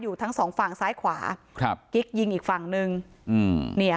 ทั้งสองฝั่งซ้ายขวาครับกิ๊กยิงอีกฝั่งหนึ่งอืมเนี่ย